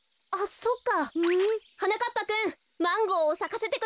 そっか。